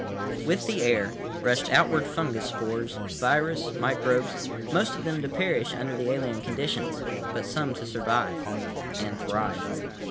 With the air rushed outward fungus spores, virus, microbes; most of them to perish under the alien conditions, but some to survive—and thrive.